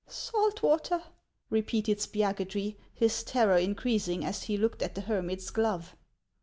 " Salt water," repeated Spiagudry, his terror increasing as he looked at the hermit's glove.